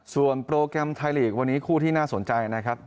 ส่วนโปรแกรมไทยลีกวันนี้คู่ที่น่าสนใจนะครับ